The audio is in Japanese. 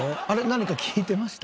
何か聞いてました？